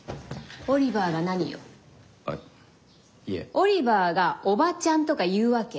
オリバーが「おばちゃん」とか言うわけ？